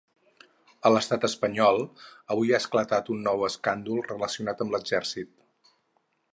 A l’estat espanyol, avui ha esclatat un nou escàndol relacionat amb l’exèrcit.